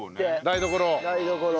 『台所』。